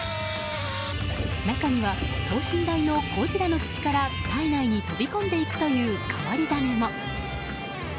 中には、等身大のゴジラの口から体内に飛び込んでいくという変わり種も。